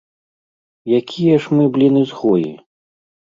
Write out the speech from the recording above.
Якія ж мы, блін, ізгоі?